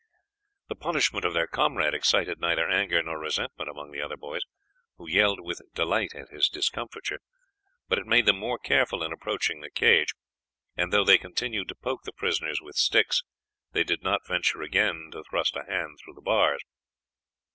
The punishment of their comrade excited neither anger nor resentment among the other boys, who yelled with delight at his discomfiture, but it made them more careful in approaching the cage, and though they continued to poke the prisoners with sticks they did not venture again to thrust a hand through the bars.